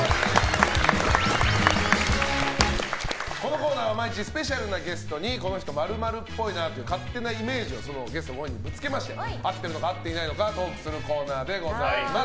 このコーナーは、毎日スペシャルなゲストにこの人○○っぽいという勝手なイメージをゲストご本人にぶつけまして合っているのか合っていないのかトークするコーナーでございます。